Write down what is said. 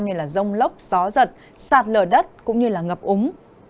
như là rông lốc gió giật sạt lở đất cũng như là ngập úng